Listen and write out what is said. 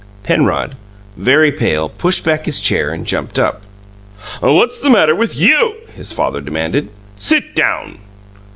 Penrod, very pale, pushed back his chair and jumped up. "What's the matter with YOU?" his father demanded. "Sit down!"